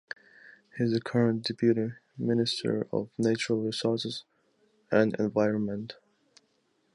He is the current Deputy Minister of Natural Resources and Environment.